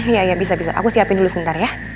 iya ya bisa bisa aku siapin dulu sebentar ya